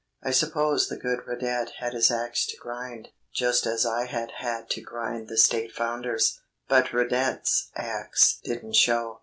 I suppose the good Radet had his axe to grind just as I had had to grind the State Founder's, but Radet's axe didn't show.